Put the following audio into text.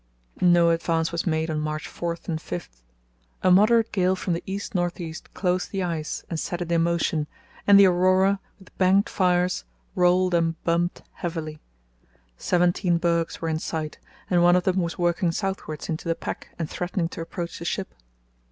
No advance was made on March 4 and 5. A moderate gale from the east north east closed the ice and set it in motion, and the Aurora, with banked fires, rolled and bumped, heavily. Seventeen bergs were in sight, and one of them was working southwards into the pack and threatening to approach the ship.